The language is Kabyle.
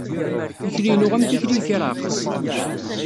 Tikli-inu am tikli n ifiraɛqes